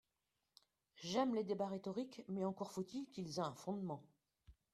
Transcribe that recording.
J’aime les débats rhétoriques, mais encore faut-il qu’ils aient un fondement